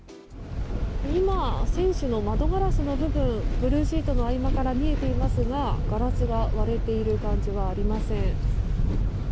今、船首の窓ガラスの部分ブルーシートの合間から見えていますがガラスが割れている感じはありません。